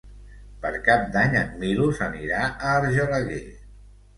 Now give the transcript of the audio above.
Per Cap d'Any en Milos anirà a Argelaguer.